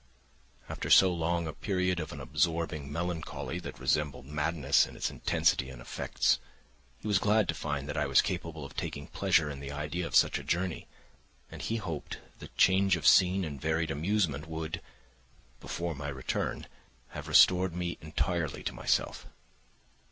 After so long a period of an absorbing melancholy that resembled madness in its intensity and effects, he was glad to find that I was capable of taking pleasure in the idea of such a journey, and he hoped that change of scene and varied amusement would, before my return, have restored me entirely to myself.